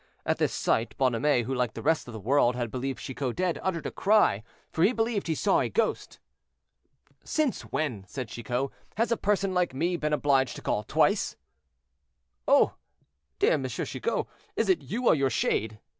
At this sight Bonhomet, who, like the rest of the world, had believed Chicot dead, uttered a cry, for he believed he saw a ghost. "Since when," said Chicot, "has a person like me been obliged to call twice?" "Oh! dear M. Chicot, is it you or your shade?"